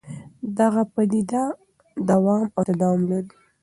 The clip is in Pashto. دغه پدیدې دوام او تداوم لري.